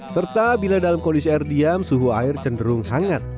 serta bila dalam kondisi air diam suhu air cenderung hangat